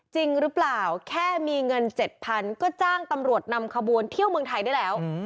จริงหรือเปล่าแค่มีเงิน๗๐๐ก็จ้างตำรวจนำขบวนเที่ยวเมืองไทยได้แล้ว